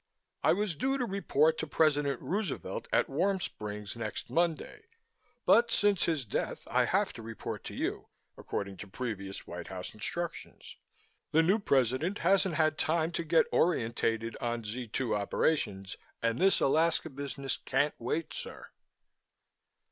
"I was due to report to President Roosevelt at Warm Springs next Monday but since his death, I have to report to you, according to previous White House instructions. The new President hasn't had time to get orientated on Z 2 operations and this Alaska business can't wait, sir!"